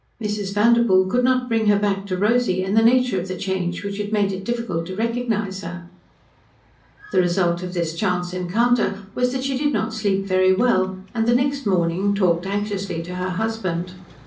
Mrs. Vanderpoel could not bring her back to Rosy, and the nature of the change which had made it difficult to recognise her. The result of this chance encounter was that she did not sleep very well, and the next morning talked anxiously to her husband.